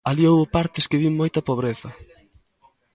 Alí houbo partes que vin moita pobreza.